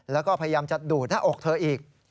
แล้วก็พยายามจะดูดหน้าอกเธออีก